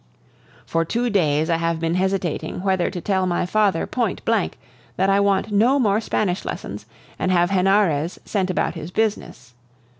For two days I have been hesitating whether to tell my father point blank that I want no more Spanish lessons and have Henarez sent about his business.